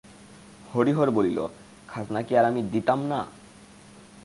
হরিহর বলিল, খাজনা কি আর আমি দিতাম না?